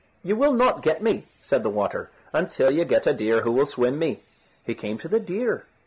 "You will not get me," said the water, "until you get a deer who will swim me." He came to the deer.